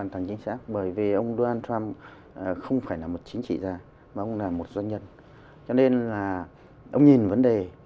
thể hiện những quan điểm